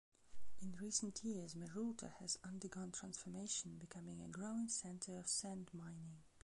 In recent years Maroota has undergone transformation, becoming a growing centre of sandmining.